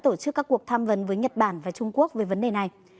hàn quốc đã tổ chức các cuộc tham vấn với nhật bản và trung quốc về vấn đề này